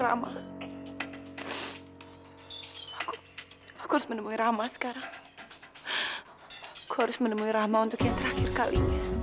aku harus menemui rama untuk yang terakhir kali